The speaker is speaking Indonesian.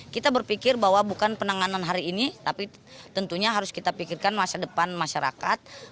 kita berpikir bahwa bukan penanganan hari ini tapi tentunya harus kita pikirkan masa depan masyarakat